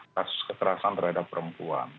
kasus kekerasan terhadap perempuan